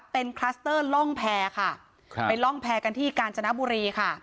เป็นคลัสเตอร์ล่องแพรค่ะครับไปล่องแพรกันที่กาญจนบุรีค่ะ